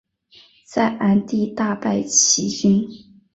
在鞍地大败齐军。